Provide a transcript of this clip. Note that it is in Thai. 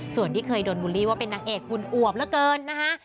ส่วนที่เคยโดนบูลลี่ว่าเป็นนางเอกหุ่นอวบเหลือเกินนะคะ